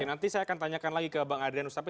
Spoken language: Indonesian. nanti saya akan tanyakan lagi ke bang adrian ustapi